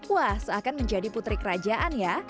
wah seakan menjadi putri kerajaan ya